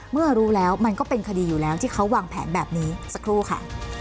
เมื่อรู้แล้วมันก็เป็นคดีอยู่แล้วที่เขาวางแผนแบบนี้สักครู่ค่ะ